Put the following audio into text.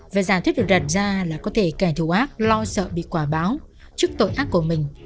và giả thuyết được đặt ra là có thể kẻ thù ác lo sợ bị quả báo trước tội ác của mình